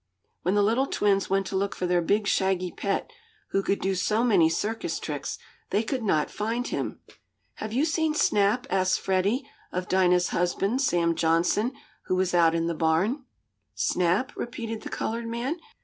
When the little twins went to look for their big, shaggy pet, who could do so many circus tricks, they could not find him. "Have you seen Snap?" asked Freddie of Dinah's husband, Sam Johnson, who was out in the barn. "Snap?" repeated the colored man.